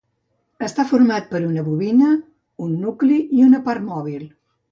Està format per una bobina, un nucli i una part mòbil.